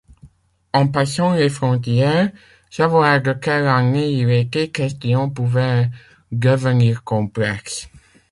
En passant les frontières, savoir de quelle année il était question pouvait devenir complexe.